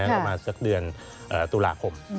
ประมาณสักเดือนตุลาคม